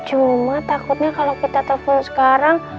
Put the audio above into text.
cuma takutnya kalau kita telepon sekarang